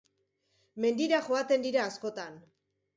mendira joaten dira askotan